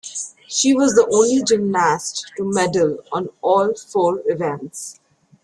She was the only gymnast to medal on all four events.